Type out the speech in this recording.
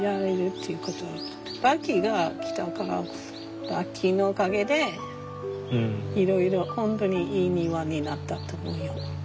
バッキーが来たからバッキーのおかげでいろいろ本当にいい庭になったと思うよ。